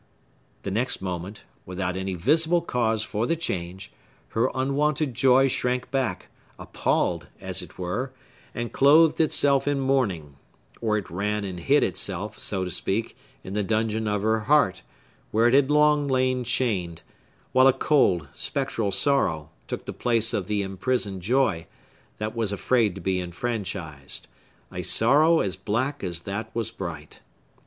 The next moment, without any visible cause for the change, her unwonted joy shrank back, appalled, as it were, and clothed itself in mourning; or it ran and hid itself, so to speak, in the dungeon of her heart, where it had long lain chained, while a cold, spectral sorrow took the place of the imprisoned joy, that was afraid to be enfranchised,—a sorrow as black as that was bright.